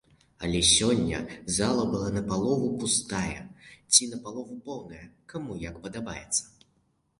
Але сёння зала была на палову пустая, ці на палову поўная, каму як падабаецца.